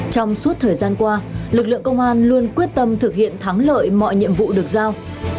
trong suốt thời gian qua lực lượng công an luôn quyết tâm thực hiện thắng lợi mọi nhiệm vụ được giao